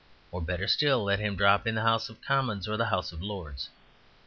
Or, better still, let him drop in at the House of Commons or the House of Lords.